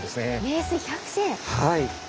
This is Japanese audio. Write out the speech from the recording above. はい。